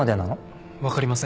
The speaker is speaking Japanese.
分かりません。